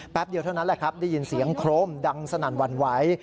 เดียวเท่านั้นแหละครับได้ยินเสียงโครมดังสนั่นหวั่นไหว